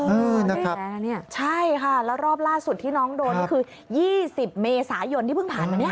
เออได้แม้นี่ใช่ค่ะแล้วรอบล่าสุดที่น้องโดนคือ๒๐เมษายนที่เพิ่งผ่าน